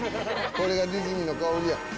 これがディズニーの香りや。